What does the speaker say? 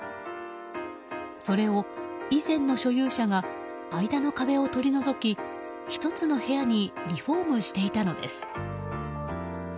それを以前の所有者が間の壁を取り除き１つの部屋にリフォームしていたのです。